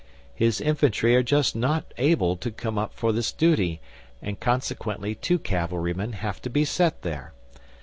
His infantry are just not able to come up for this duty, and consequently two cavalry men have to be set there.